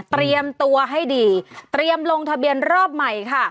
เตรียมตัวให้ดีเตรียมลงทะเบียนรอบใหม่ค่ะ